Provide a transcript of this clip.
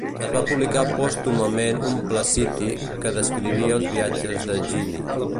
Es va publicar pòstumament un "Placiti" que descrivia els viatges de Ghini.